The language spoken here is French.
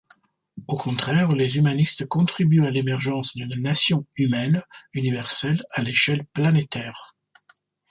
Au contraire, les humanistes contribuent à l'émergence d'une Nation humaine universelle, à l'échelle planétaire.